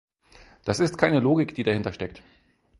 Das ist keine Logik, die dahinter steckt.